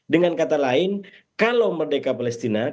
dengan kata lain kalau merdeka palestina